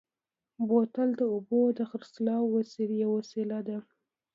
بوتل د اوبو د خرڅلاو یوه وسیله ده.